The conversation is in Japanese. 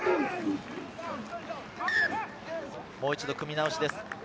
もう一度組み直しです。